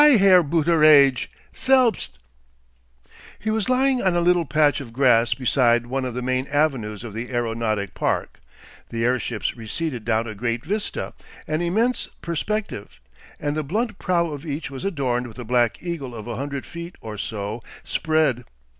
Herr Booteraidge! Selbst!" He was lying on a little patch of grass beside one of the main avenues of the aeronautic park. The airships receded down a great vista, an immense perspective, and the blunt prow of each was adorned with a black eagle of a hundred feet or so spread.